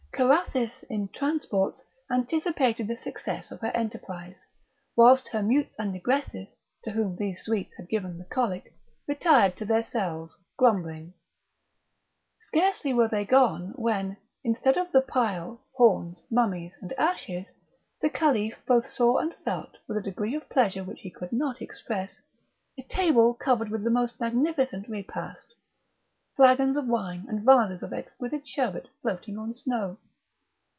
Carathis, in transports, anticipated the success of her enterprise, whilst her mutes and negresses, to whom these sweets had given the colic, retired to their cells grumbling. Scarcely were they gone when, instead of the pile, horns, mummies, and ashes, the Caliph both saw and felt, with a degree of pleasure which he could not express, a table covered with the most magnificent repast; flagons of wine and vases of exquisite sherbet floating on snow.